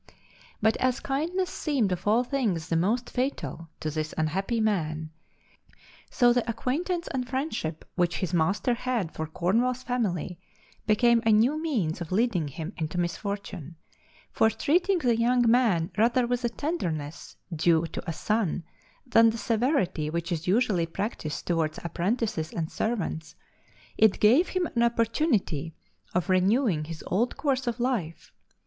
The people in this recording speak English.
But as kindness seemed of all things the most fatal to this unhappy man, so the acquaintance and friendship which his master had for Cornwall's family became a new means of leading him into misfortune, for treating the young man rather with a tenderness due to a son than that severity which is usually practised towards apprentices and servants, it gave him an opportunity of renewing his old course of life.